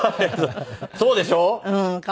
そうでしょ？